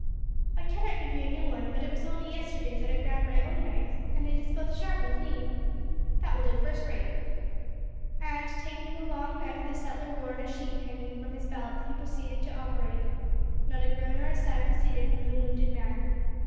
"I cannot give you a new one, but it was only yesterday that I ground my own knife, and it is both sharp and clean." "That will do first rate." And, taking the long knife the settler wore in a sheath hanging from his belt, he proceeded to operate. Not a groan or a sigh proceeded from the wounded man.